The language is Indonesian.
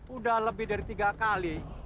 udah lebih dari tiga kali